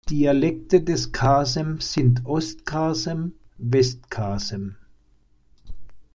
Dialekte des Kasem sind Ost-Kasem, West-Kasem.